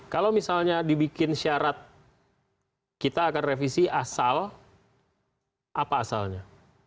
kalau misalnya dibikin syarat kita akan revisi asal apa asalnya